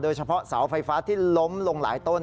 เฉพาะเสาไฟฟ้าที่ล้มลงหลายต้น